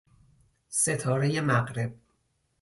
ستاره مغرب